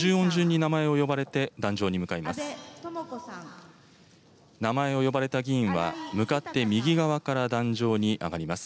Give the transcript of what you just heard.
名前を呼ばれた議員は、向かって右側から壇上に上がります。